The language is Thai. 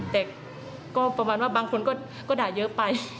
แต่ก็ประมาณว่าบางคนก็ด่าเยอะไป